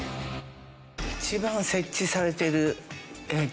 一番設置されてるえっと。